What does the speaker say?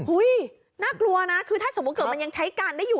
น่ากลัวนะคือถ้าสมมุติเกิดมันยังใช้การได้อยู่